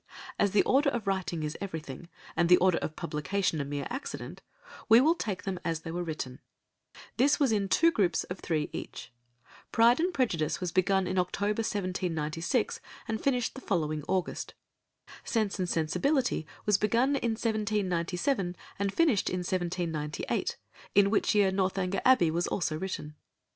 As the order of writing is everything, and the order of publication a mere accident, we will take them as they were written. This was in two groups of three each. Pride and Prejudice was begun in October 1796 and finished the following August; Sense and Sensibility was begun in 1797 and finished in 1798, in which year Northanger Abbey was also written.